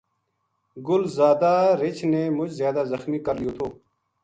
گل زادا رِچھ نے مُچ زیادہ زخمی کر لیو تھو